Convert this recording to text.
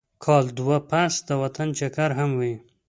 کال دوه پس د وطن چکر هم وهي.